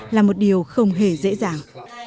là một điều không hề dễ dàng